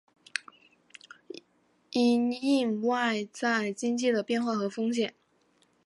因应外在经济的变化和风险